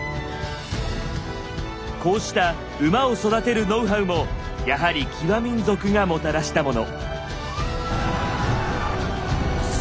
こうした馬を育てるノウハウもやはり騎馬民族がもたらしたもの。